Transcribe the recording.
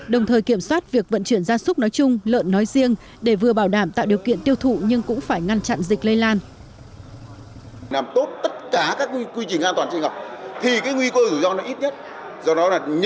đồng thời kiểm soát việc vận chuyển gia súc nói chung lợn nói riêng để vừa bảo đảm tạo điều kiện tiêu thụ nhưng cũng phải ngăn chặn dịch lây lan